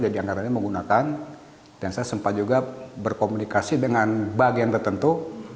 jadi diangkatannya menggunakan dan saya sempat juga berkomunikasi dengan bagian tertentu